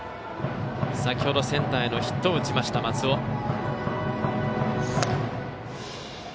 先ほどセンターへのヒットを打ちました、松尾。